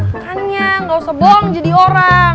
makanya nggak usah bohong jadi orang